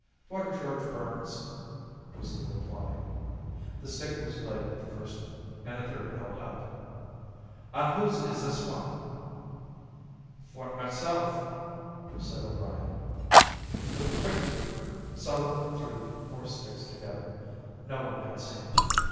"For George Burns," was the reply. The stick was laid with the first one, and a third held up. "An' whose is this wan?" "For myself," said O'Brien. With a quick movement, Sullivan threw the four sticks together. No one had seen.